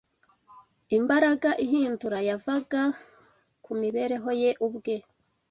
imbaraga ihindura yavaga ku mibereho ye ubwe